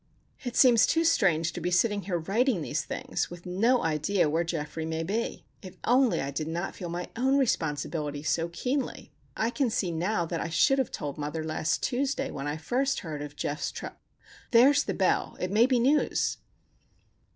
It seems too strange to be sitting here writing these things, with no idea where Geoffrey may be! If only I did not feel my own responsibility so keenly! I can see now that I should have told mother last Tuesday when first I heard of Geof's trou——. There is the bell! It may be news....